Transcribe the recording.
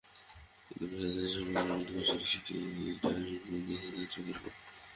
কিন্তু বিশ্ব অ্যাথলেটিকসে সর্বকালের অন্যতম সেরার স্বীকৃতিটা ভিজিয়ে দিয়েছে তাঁর চোখের কোণ।